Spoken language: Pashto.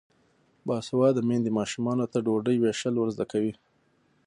باسواده میندې ماشومانو ته ډوډۍ ویشل ور زده کوي.